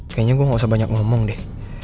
kayaknya gua gausah banyak ngomong deh